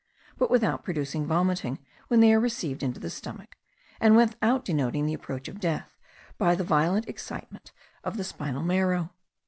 but without producing vomiting when they are received into the stomach, and without denoting the approach of death by the violent excitement of the spinal marrow.